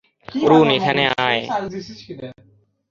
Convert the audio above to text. অরুণ, এখানে আয়।